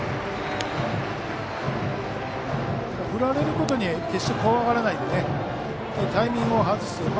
振られることに決して怖がらないでタイミングを外す。